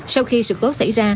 sau khi sự cố xảy ra